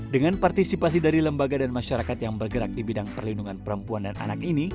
dengan partisipasi dari lembaga dan masyarakat yang bergerak di bidang perlindungan perempuan dan anak ini